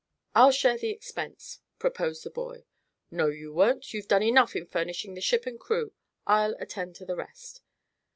"I'll share the expense," proposed the boy. "No, you won't. You've done enough in furnishing the ship and crew. I'll attend to the rest."